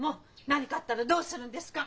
何かあったらどうするんですか！